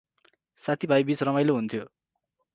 साथीभाइबीच रमाइलो हुन्थ्यो ।